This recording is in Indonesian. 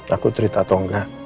aku cerita atau enggak